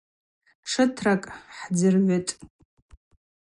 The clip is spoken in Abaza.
Тшытракӏ хӏдзыргӏвытӏ.